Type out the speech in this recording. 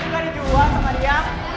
tapi gak dijual sama dia